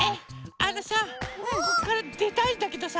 あのさこっからでたいんだけどさ